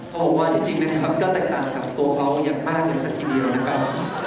เขาบอกว่าจริงนะครับก็แตกต่างกับตัวเขาอย่างมากเลยสักทีเดียวนะครับ